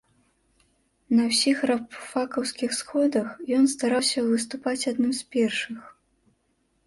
На ўсіх рабфакаўскіх сходах ён стараўся выступаць адным з першых.